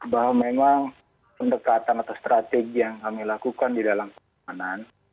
bahwa memang pendekatan atau strategi yang kami lakukan di dalam pengamanan